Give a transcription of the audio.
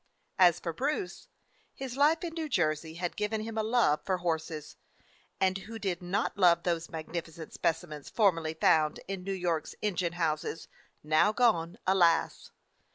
As for Bruce, his life in New Jersey had given him a love for horses; and who did not love these magnificent specimens formerly found in New York's engine houses, now gone, alas!